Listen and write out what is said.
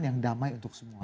yang damai untuk semua